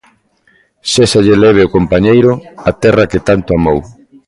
Séxalle leve ao compañeiro a terra que tanto amou.